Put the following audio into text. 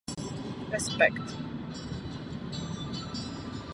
Studia však zanechal a věnoval se zločinu.